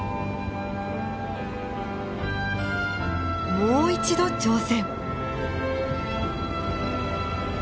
もう一度挑戦！